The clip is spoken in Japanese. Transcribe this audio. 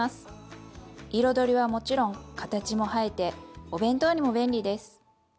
彩りはもちろん形も映えてお弁当にも便利です！